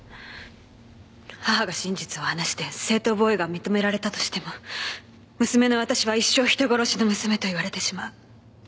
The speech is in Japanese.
母が真実を話して正当防衛が認められたとしても娘の私は一生人殺しの娘と言われてしまう。